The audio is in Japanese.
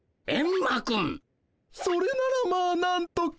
それならまあなんとか。